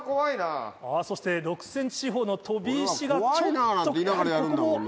そして６ｃｍ四方の飛び石がちょっとここも。